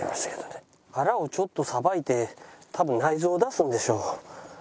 腹をちょっとさばいて多分内臓を出すんでしょう。